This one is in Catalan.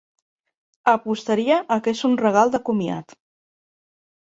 Apostaria a que és un regal de comiat.